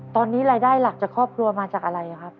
ตอนนี้รายได้หลักจากครอบครัวมาจากอะไรครับ